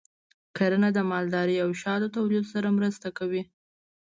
کرنه د مالدارۍ او شاتو تولید سره مرسته کوي.